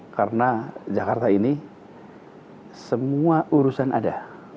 karena jakarta ini semua urusan ada